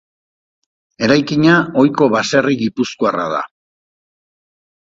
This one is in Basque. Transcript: Eraikina ohiko baserri gipuzkoarra da.